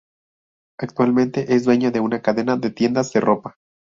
Actualmente es dueño de una cadena de tiendas de ropa.